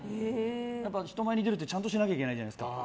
人前に出るってちゃんとしなきゃいけないじゃないですか。